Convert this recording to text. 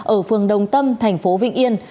ở phường đông tâm thành phố vịnh yên